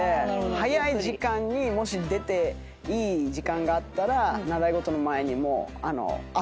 早い時間にもし出ていい時間があったら習い事の前に遊びに行くとか。